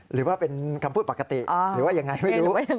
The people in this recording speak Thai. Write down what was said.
หรือว่าเป็นคำพูดปกติหรือว่ายังไงไม่รู้